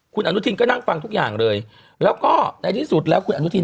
คุณอนุทินก็นั่งฟังทุกอย่างเลยแล้วก็ในที่สุดแล้วคุณอนุทิน